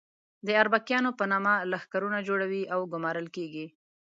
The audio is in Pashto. د اربکیانو په نامه لښکرونه جوړوي او ګومارل کېږي.